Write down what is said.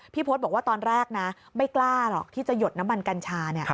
พศบอกว่าตอนแรกนะไม่กล้าหรอกที่จะหยดน้ำมันกัญชา